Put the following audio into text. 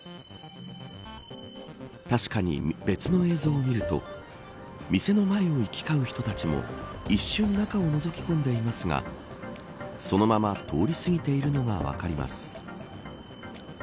確かに、別の映像を見ると店の前を行き交う人たちも一瞬、中をのぞき込んでいますがそのまま通り過ぎているのが分かります。